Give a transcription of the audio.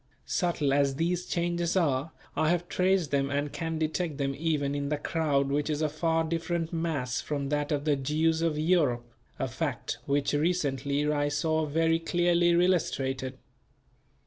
Subtle as these changes are I have traced them and can detect them even in the crowd which is a far different mass from that of the Jews of Europe, a fact which recently I saw very clearly illustrated.